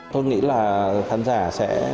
tôi nghĩ là khán giả sẽ